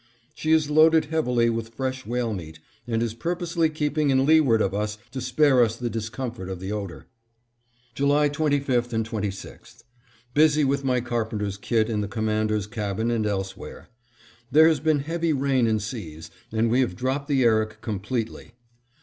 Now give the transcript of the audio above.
She is loaded heavily with fresh whale meat, and is purposely keeping in leeward of us to spare us the discomfort of the odor. July 25 and 26: Busy with my carpenter's kit in the Commander's cabin and elsewhere. There has been heavy rain and seas, and we have dropped the Erik completely.